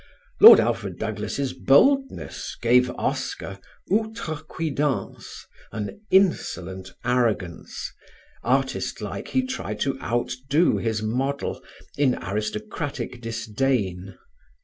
Lord Alfred Douglas' boldness gave Oscar outrecuidance, an insolent arrogance: artist like he tried to outdo his model in aristocratic disdain.